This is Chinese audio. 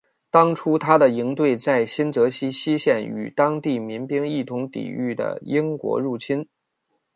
最初他的营队在新泽西西线与当地民兵一同抵御的英国入侵。